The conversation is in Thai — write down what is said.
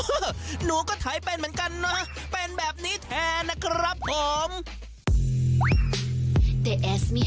โอ้โฮหนูก็ไถเป็นเหมือนกันนะเป็นแบบนี้แทนนะครับผม